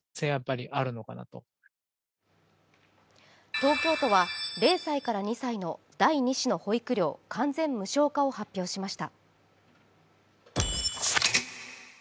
東京都は０歳から２歳の第２子の保育料完全無償化を発表しました。